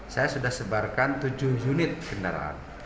saya sudah sebarkan tujuh unit kendaraan